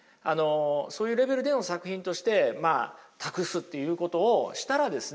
そういうレベルでの作品として託すということをしたらですね